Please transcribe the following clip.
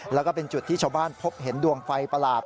แล้วก็เป็นจุดที่ชาวบ้านพบเห็นดวงไฟประหลาด